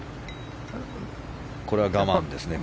これは我慢ですね。